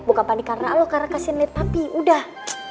bukan panik karena elo karena kasih internet papi udah